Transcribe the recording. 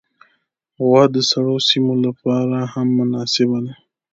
غوا د سړو سیمو لپاره هم مناسبه ده.